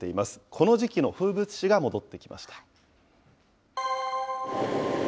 この時期の風物詩が戻ってきました。